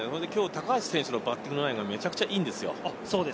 高橋選手のバッティングのラインがめちゃくちゃいいんですよ。